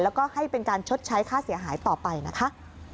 แล้วก็ให้เป็นการชดใช้ค่าเสียหายต่อไปนะคะ